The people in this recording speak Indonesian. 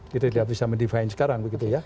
kita tidak bisa men define sekarang begitu ya